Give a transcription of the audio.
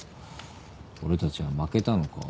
俺たちは負けたのか。